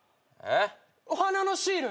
お花のシール。